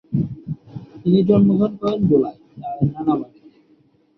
তিনি জন্মগ্রহণ করেন ভোলায় তার নানা বাড়িতে।